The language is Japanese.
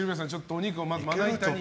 お肉をまな板に。